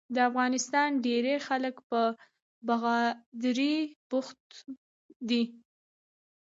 د افغانستان ډیری خلک په باغدارۍ بوخت دي.